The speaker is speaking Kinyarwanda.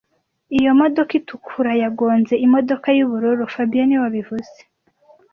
Iyo modoka itukura yagonze imodoka yubururu fabien niwe wabivuze